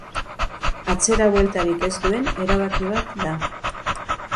Atzera bueltarik ez duen erabaki bat da.